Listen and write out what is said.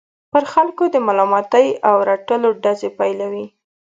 پر خلکو د ملامتۍ او رټلو ډزې پيلوي.